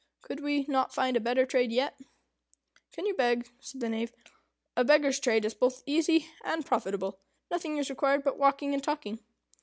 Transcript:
Could we not find a better trade yet?" "Can you beg?" said the Knave. "A beggar's trade is both easy and profitable. Nothing is required but walking and talking.